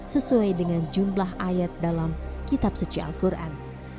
sesuai dengan jumlah ayat dalam kitab suci al quran